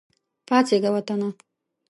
پاڅیږه وطنه !